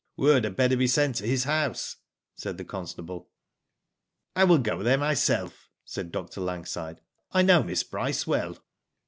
"Word had better be sent to his house," said the constable. '* I will go there myself," said Dr. Langside. I know Miss Bryce well."